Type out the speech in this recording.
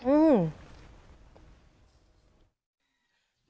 อืม